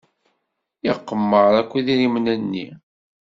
Iqemmer akk idrimen-nni.